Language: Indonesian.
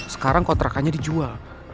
sekarang kontrakannya dijual